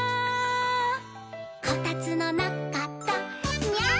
「こたつのなかだニャー」